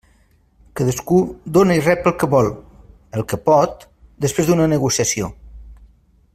Cadascú dóna i rep el que vol, el que pot, després d'una negociació.